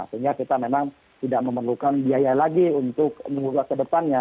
sehingga kita memang tidak memerlukan biaya lagi untuk mengurus ke depannya